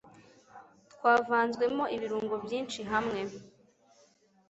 twavanzwemo ibirungo byinshi hamwe